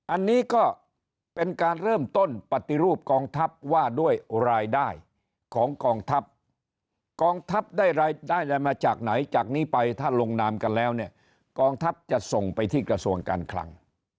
อันนี้ก็เป็นการเริ่มต้นปฏิรูปกองทัพว่าด้วยรายได้ของกองทัพกองทัพได้รายได้อะไรมาจากไหนจากนี้ไปถ้าลงนามกันแล้วเนี่ยกองทัพจะส่งไปที่กระทรวงการคลัง